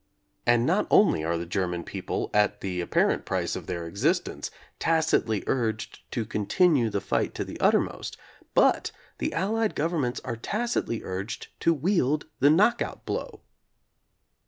And not only are the German people, at the apparent price of their ex istence, tacitly urged to continue the fight to the uttermost, but the Allied governments are tacitly urged to wield the "knockout blow."